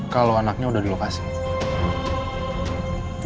kalau anaknya udah di lokasi